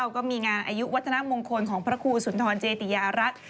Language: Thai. ก็มีงานอายุวัฒนามงคลของพระครูสุนทรเจติยารัฐ